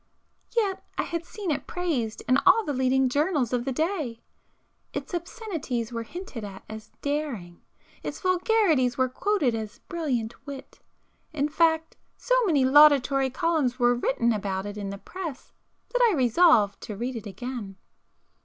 Yet I had seen it praised in all the leading journals of the day; its obscenities were hinted at as 'daring,'—its vulgarities were quoted as 'brilliant wit,'—in fact so many laudatory columns were written about it in the press that I resolved to read it again.